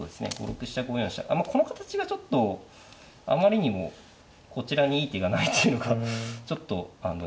５六飛車５四飛車まあこの形がちょっとあまりにもこちらにいい手がないというかちょっとあの。